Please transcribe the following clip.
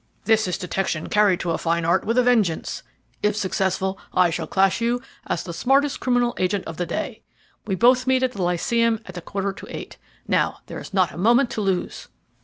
This is detection carried to a fine art with a vengeance. If successful, I shall class you as the smartest criminal agent of the day. We both meet at the Lyceum at a quarter to eight. Now, there is not a moment to lose."